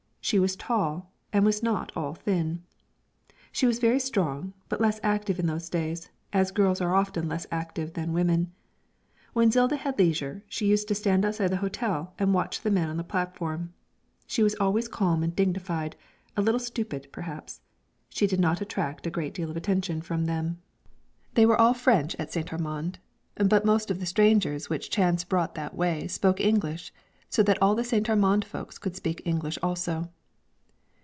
She was tall, and not at all thin. She was very strong, but less active in those days, as girls are often less active than women. When Zilda had leisure she used to stand outside the hotel and watch the men on the platform. She was always calm and dignified, a little stupid perhaps. She did not attract a great deal of attention from them. They were all French at St. Armand, but most of the strangers which chance brought that way spoke English, so that the St. Armand folks could speak English also.